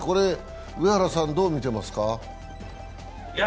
上原さんどう見てますか？